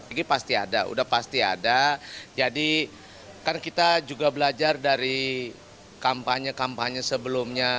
ini pasti ada udah pasti ada jadi kan kita juga belajar dari kampanye kampanye sebelumnya